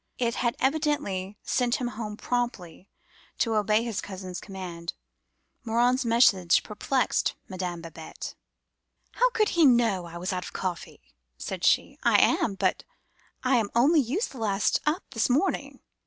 It had evidently sent him home promptly to obey his cousins command. Morin's message perplexed Madame Babette. "'How could he know I was out of coffee?' said she. 'I am; but I only used the last up this morning.